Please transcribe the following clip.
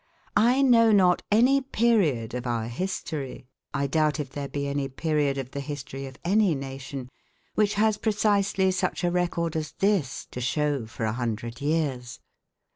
I know not any period of our history I doubt if there be any period of the history of any nation which has precisely such a record as this to show for a hundred years.